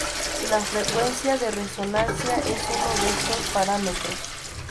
La frecuencia de resonancia es uno de estos parámetros.